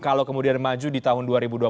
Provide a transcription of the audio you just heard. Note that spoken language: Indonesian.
kalau kemudian maju di tahun dua ribu dua puluh